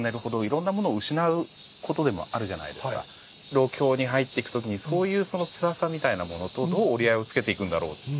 老境に入っていく時こういうつらさみたいなものとどう折り合いをつけていくんだろうと。